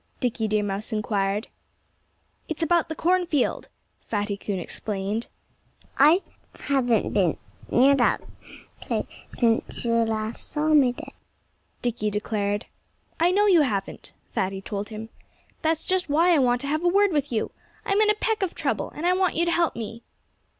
Dickie Deer Mouse inquired. "It's about the cornfield," Fatty Coon explained. "I haven't been near that place since you last saw me there," Dickie declared. "I know you haven't," Fatty told him. "That's just why I want to have a word with you. I'm in a peck of trouble. And I want you to help me."